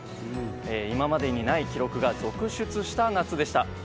今までにない記録が続出した夏でした。